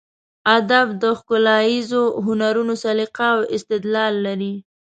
ادب د ښکلاییزو هنرونو سلیقه او استدلال لري.